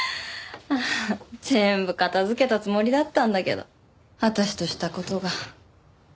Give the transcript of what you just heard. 全部片づけたつもりだったんだけど私とした事が。